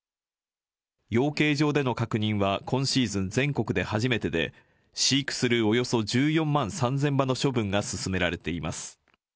養鶏場での確認は今シーズン全国で初めてで、飼育するおよそ１４万３０００羽のしょぶんが進められています。